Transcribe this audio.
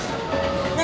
何？